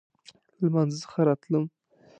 له لمانځه څخه راتلم.